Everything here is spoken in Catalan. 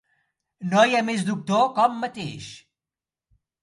No hi ha més doctor que hom mateix.